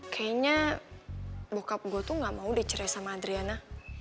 kayaknya bokap gue tuh gak mau dicerai sama adriana